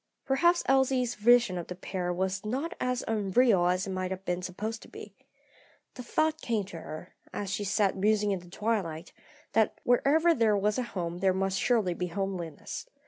Perhaps Elsie's vision of the pair was not as unreal as it might have been supposed to be. The thought came to her, as she sat musing in the twilight, that wherever there was a home there must surely be homeliness.